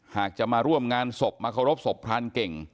หากจะมาร่วมงานศพมาเคารพศพพรานเก่ง